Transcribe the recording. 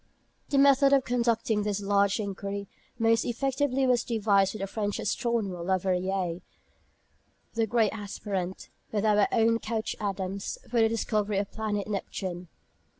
The method of conducting this large inquiry most effectively was devised by the French astronomer, Le Verrier the great aspirant, with our own Couch Adams, for the discovery of the planet Neptune.